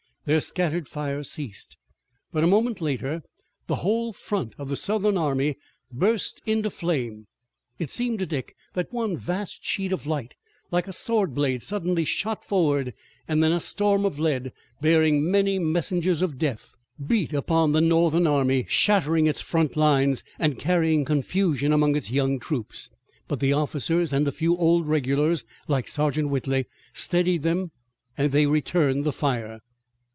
Their scattered fire ceased, but a moment later the whole front of the Southern army burst into flame. It seemed to Dick that one vast sheet of light like a sword blade suddenly shot forward, and then a storm of lead, bearing many messengers of death, beat upon the Northern army, shattering its front lines and carrying confusion among its young troops. But the officers and a few old regulars like Sergeant Whitley steadied them and they returned the fire.